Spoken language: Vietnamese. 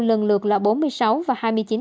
lần lượt là bốn mươi sáu và hai mươi chín